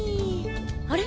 あれ？